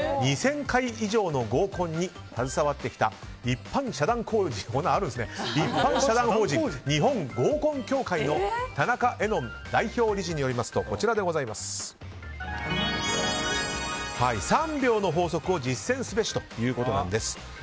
２０００回以上の合コンに携わってきた一般社団法人日本合コン協会の田中絵音代表理事によりますと３秒の法則を実践すべしということなんです。